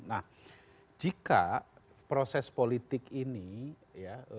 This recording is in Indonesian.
nah jika proses politik ini ya